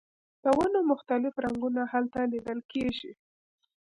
د ونو مختلف رنګونه هلته لیدل کیږي